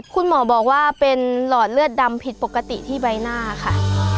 คุณหมอบอกว่าเป็นหลอดเลือดดำผิดปกติที่ใบหน้าค่ะ